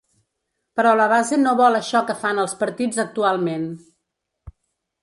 Però la base no vol això que fan els partits actualment.